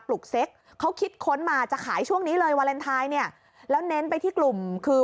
ลุกเซ็กเขาคิดค้นมาจะขายช่วงนี้เลยวาเลนไทยเนี่ยแล้วเน้นไปที่กลุ่มคือ